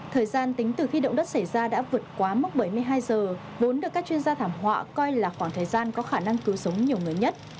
thời gian tính từ khi động đất xảy ra đã vượt quá mốc bảy mươi hai giờ vốn được các chuyên gia thảm họa coi là khoảng thời gian có khả năng cứu sống nhiều người nhất